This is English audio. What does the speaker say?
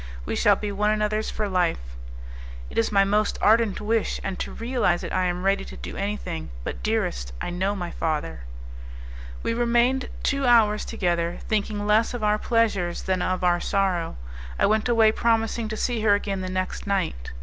We shall be one another's for life" "It is my most ardent wish, and to realize it I am ready to do anything; but, dearest, I know my father." We remained two hours together, thinking less of our pleasures than of our sorrow; I went away promising to see her again the next night.